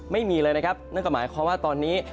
ไม่มีเลยนะครับนั่นก็หมายความว่าตอนนี้